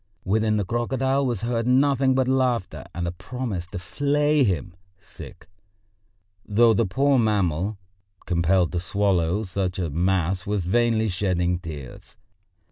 Within the crocodile was heard nothing but laughter and a promise to flay him, though the poor mammal, compelled to swallow such a mass, was vainly shedding tears.